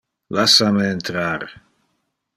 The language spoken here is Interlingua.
Lassa me entrar.